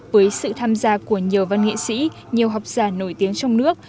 với sự tham gia của nhiều văn nghệ sĩ nhiều học giả nổi tiếng trong nước